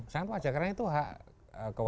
sangat wajar karena itu hak keuangan